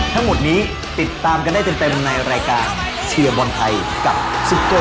ทั้งหมดนี้ติดตามกันได้เต็มในรายการเชียร์บอลไทยกับซิโก้